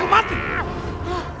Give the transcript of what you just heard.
kamu lihat istriku mati